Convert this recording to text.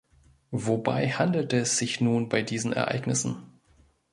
Wobei handelte es sich nun bei diesen Ereignissen?